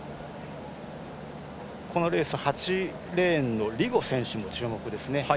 このレース、８レーンのリゴ選手も注目ですね。